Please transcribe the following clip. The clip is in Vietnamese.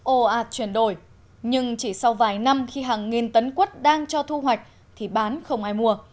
ồ ạt chuyển đổi nhưng chỉ sau vài năm khi hàng nghìn tấn quất đang cho thu hoạch thì bán không ai mua